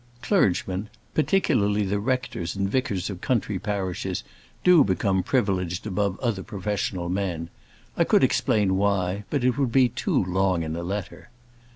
Clergymen particularly the rectors and vicars of country parishes do become privileged above other professional men. I could explain why, but it would be too long in a letter.